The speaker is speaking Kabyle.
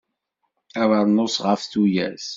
Abernus ɣef tuyat.